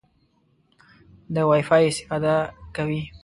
د وای فای استفاده کوئ؟